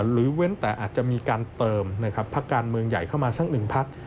เว้นแต่อาจจะมีการเติมนะครับพักการเมืองใหญ่เข้ามาสักหนึ่งพัก